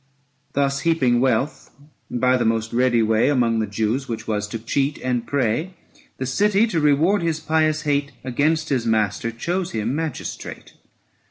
590 Thus heaping wealth by the most ready way Among the Jews, which was to cheat and pray, The City, to reward his pious hate IO4 ABSALOM AND ACHITOPHEL. Against his master, chose him magistrate.